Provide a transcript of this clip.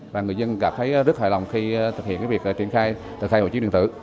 và người dân cảm thấy rất hài lòng khi thực hiện việc triển khai hồ chiếu điện tử